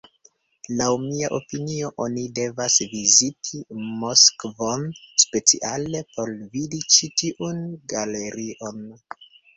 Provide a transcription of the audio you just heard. Laŭ mia opinio, oni devas viziti Moskvon speciale por vidi ĉi tiun galerion.